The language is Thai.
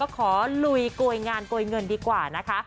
ขอลุยโกยงานโกยเงินดีกว่านะคะ